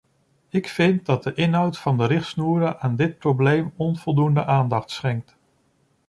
Ik vind dat de inhoud van de richtsnoeren aan dit probleem onvoldoende aandacht schenkt.